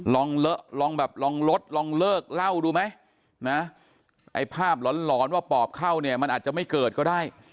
ลองลองแบบลองลดลองเลิกเล่าดูไหมนะไอ้ภาพหลอนหลอนว่าปอบเข้าเนี่ยมันอาจจะไม่เกิดก็ได้